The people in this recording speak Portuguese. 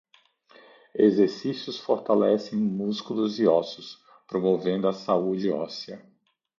Exercícios fortalecem músculos e ossos, promovendo a saúde óssea.